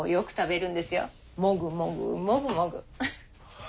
もぐもぐもぐもぐ。